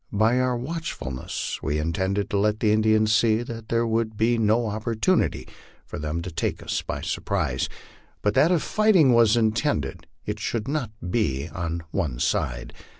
By our watchfulness we intended to let the Indians see that there would be no oppor tunity for them to take us by surprise, but that if fighting was intended, it should not be all on one side.